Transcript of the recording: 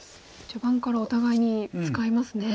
序盤からお互いに使いますね。